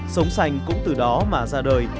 sống sành cũng từ đó mà ra đời